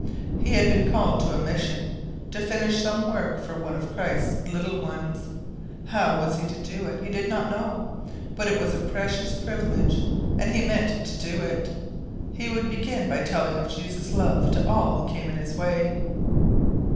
He had been called to a mission, to finish some work for one of Christ's little ones. How he was to do it he did not know, but it was a precious privilege, and he meant to do it. He would begin by telling of Jesus' love to all who came in his way.